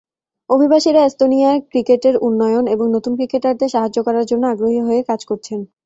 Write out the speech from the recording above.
অভিবাসীরা এস্তোনিয়ার ক্রিকেটের উন্নয়ন এবং নতুন ক্রিকেটারদের সাহায্য করার জন্য আগ্রহী হয়ে কাজ করছেন।